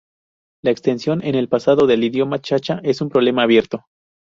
La extensión en el pasado del idioma chacha es un problema abierto.